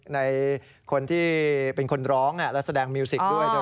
ในคนที่เป็นคนร้องแฮะและแสดงซ์วิทยมาดู